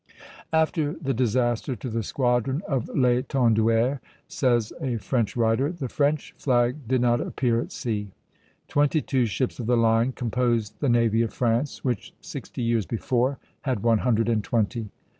"After the disaster to the squadron of L'Étenduère," says a French writer, "the French flag did not appear at sea. Twenty two ships of the line composed the navy of France, which sixty years before had one hundred and twenty.